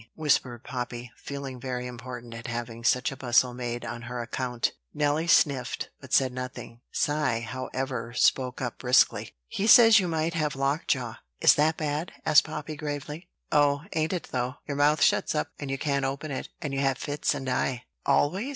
whispered Poppy, feeling very important at having such a bustle made on her account. Nelly sniffed, but said nothing; Cy, however, spoke up briskly: "He says you might have lockjaw." "Is that bad?" asked Poppy gravely. "Oh, ain't it, though! Your mouth shuts up, and you can't open it; and you have fits and die." "Always?"